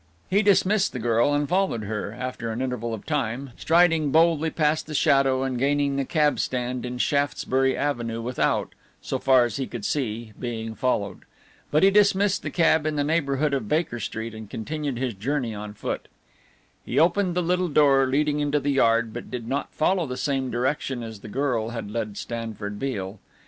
He dismissed the girl and followed her after an interval of time, striding boldly past the shadow and gaining the cab stand in Shaftesbury Avenue without, so far as he could see, being followed. But he dismissed the cab in the neighbourhood of Baker Street and continued his journey on foot. He opened the little door leading into the yard but did not follow the same direction as the girl had led Stanford Beale.